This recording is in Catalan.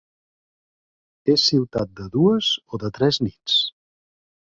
És ciutat de dues o de tres nits?